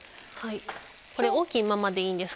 これ大きいままでいいんですか？